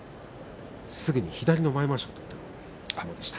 すぐに左の前まわしを取った相撲でした。